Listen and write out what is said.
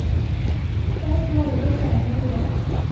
再这样我就甩了你唷！